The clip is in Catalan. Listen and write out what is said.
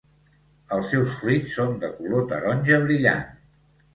Els seus fruits són de color taronja brillant.